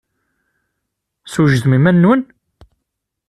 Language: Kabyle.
Swejdem iman-nwen!